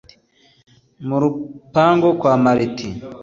Mu rupango kwa Mariti